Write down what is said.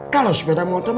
kalau sepeda motor